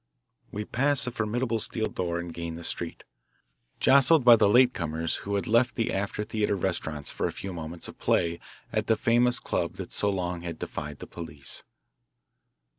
We passed the formidable steel door and gained the street, jostled by the late comers who had left the after theatre restaurants for a few moments of play at the famous club that so long had defied the police.